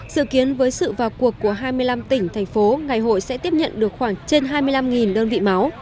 dự kiến với sự vào cuộc của hai mươi năm tỉnh thành phố ngày hội sẽ tiếp nhận được khoảng trên hai mươi năm đơn vị máu